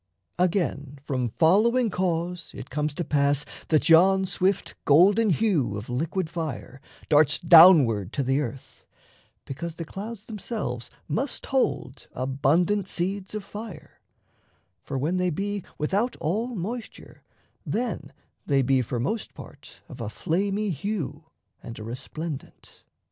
Again, from following cause it comes to pass That yon swift golden hue of liquid fire Darts downward to the earth: because the clouds Themselves must hold abundant seeds of fire; For, when they be without all moisture, then They be for most part of a flamy hue And a resplendent.